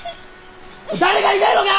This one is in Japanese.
誰かいないのか！？